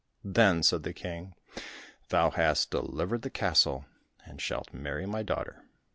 "Then," said the King, "thou hast delivered the castle, and shalt marry my daughter."